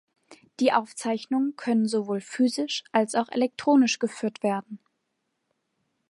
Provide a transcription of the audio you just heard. Die Aufzeichnungen können sowohl physisch als auch elektronisch geführt werden.